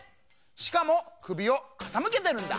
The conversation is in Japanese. しかもくびをかたむけてるんだ！